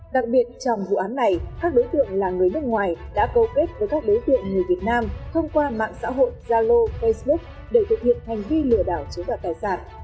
đặc biệt trong vụ án này các đối tượng là người nước ngoài đã câu kết với các đối tượng người việt nam thông qua mạng xã hội zalo facebook để thực hiện hành vi lừa đảo chiếm đoạt tài sản